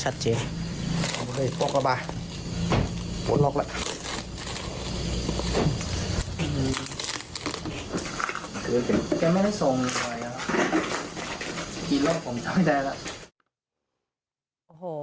แกไม่ได้ส่งไว้แล้วอีกรอบผมจะไม่ได้แล้ว